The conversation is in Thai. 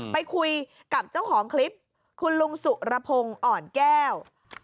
ไปคุยกับเจ้าของคลิปคุณลุงสุรพงศ์อ่อนแก้ว